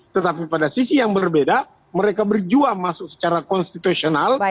tetapi pada sisi yang berbeda mereka berjuang masuk secara konstitusional